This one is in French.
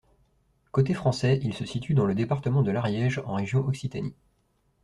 Côté français, il se situe dans le département de l'Ariège en région Occitanie.